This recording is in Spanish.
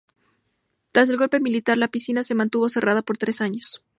Tras el golpe militar, la piscina se mantuvo cerrada por tres años.